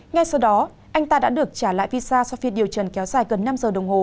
ngay sau đó anh ta đã được trả lại visa sau phiên điều trần kéo dài gần năm giờ đồng hồ